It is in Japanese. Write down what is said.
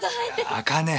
あかね。